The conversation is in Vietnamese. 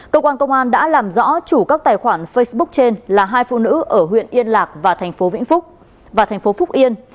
công an đã làm rõ chủ các tài khoản facebook trên là hai phụ nữ ở huyện yên lạc và tp hcm